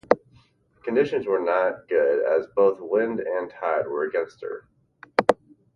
Conditions were not good as both wind and tide were against her.